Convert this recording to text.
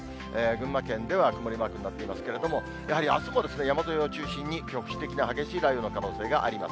群馬県では曇りマークになってますけれども、やはりあすも山沿いを中心に、局地的な激しい雷雨の可能性があります。